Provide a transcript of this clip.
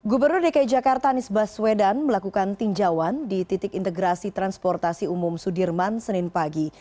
gubernur dki jakarta anies baswedan melakukan tinjauan di titik integrasi transportasi umum sudirman senin pagi